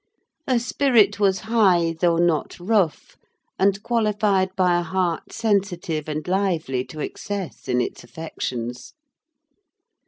Her spirit was high, though not rough, and qualified by a heart sensitive and lively to excess in its affections.